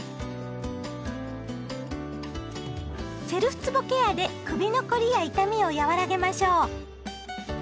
セルフつぼケアで首の凝りや痛みを和らげましょう。